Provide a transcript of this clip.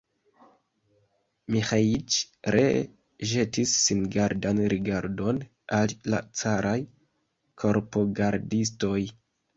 Miĥeiĉ ree ĵetis singardan rigardon al la caraj korpogardistoj.